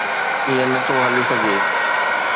ائين نه ٿو هلي سگهي.